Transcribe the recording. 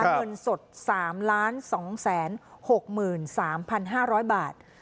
เงินสด๓๒๖๓๕๐๐บาท